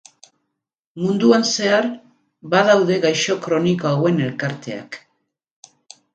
Munduan zehar badaude gaixo kroniko hauen elkarteak.